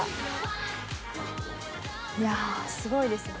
いやすごいですね。